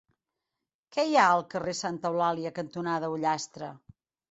Què hi ha al carrer Santa Eulàlia cantonada Ullastre?